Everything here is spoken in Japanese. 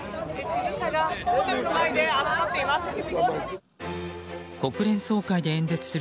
支持者がホテルの前で集まっています。